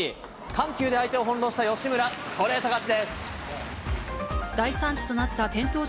緩急で相手を翻弄した吉村、ストレート勝ち。